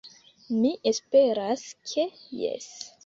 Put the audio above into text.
Mi esperas ke jes.